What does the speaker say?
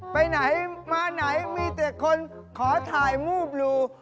ไปไหนมาไหนมีแต่คนขอถ่ายรูปดู